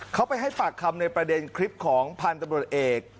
เขาไปให้ปากคำในประเด็นคลิปของพันธุ์ตำรวจเอก